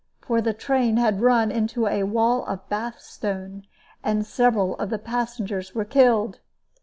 For the train had run into a wall of Bath stone, and several of the passengers were killed.